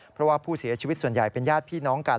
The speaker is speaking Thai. เพราะว่าผู้เสียชีวิตส่วนใหญ่เป็นญาติพี่น้องกัน